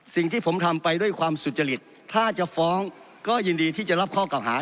สิ่งที่ผมทำไปด้วยความสุจริตถ้าจะฟ้องก็ยินดีที่จะรับข้อเก่าหา